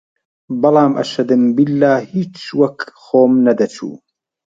بەڵام ئەشەدەمبیللا هیچ وەک خۆم نەدەچوو